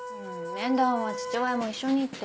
面談は父親も一緒にって。